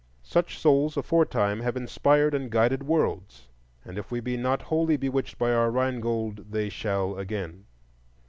Such souls aforetime have inspired and guided worlds, and if we be not wholly bewitched by our Rhinegold, they shall again.